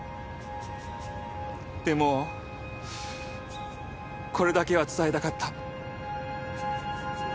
でもこれだけは伝えたかった。